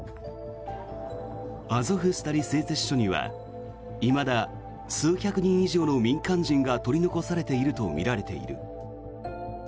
アゾフスタリ製鉄所にはいまだ数百人以上の民間人が取り残されているとみられている。